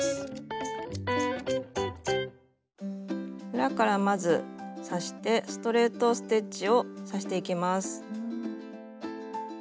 裏からまず刺してストレート・ステッチを刺していきます。